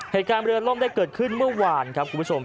เหตุการณ์เรือล่มได้เกิดขึ้นเมื่อวานครับคุณผู้ชม